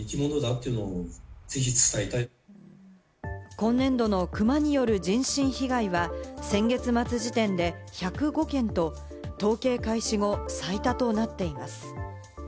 今年度のクマによる人身被害は、先月末時点で１０５件と、統計開始後、最多となっています。